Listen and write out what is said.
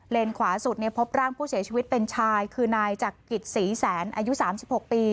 ขวาสุดพบร่างผู้เสียชีวิตเป็นชายคือนายจักริตศรีแสนอายุ๓๖ปี